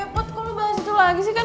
put kok lo bahas itu lagi sih kan